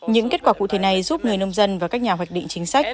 những kết quả cụ thể này giúp người nông dân và các nhà hoạch định chính sách